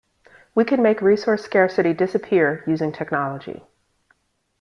We can make resource scarcity disappear using technology.